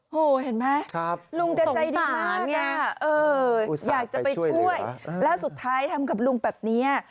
เห็นไหมลุงแกใจดีมากไงอยากจะไปช่วยแล้วสุดท้ายทำกับลุงแบบนี้